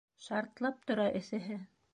Шартлап тора эҫеһе.